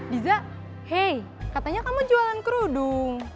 diza hei katanya kamu jualan kerudung